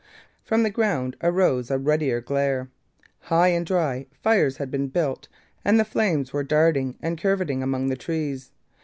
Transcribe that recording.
From the ground arose a ruddier glare. High and dry, fires had been built and the flames were darting and curvetting among the trees.